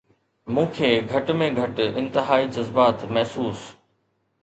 مون کي گهٽ ۾ گهٽ انتهائي جذبات محسوس